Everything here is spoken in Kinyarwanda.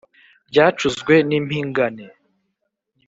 Ryacuzwe n'impingane.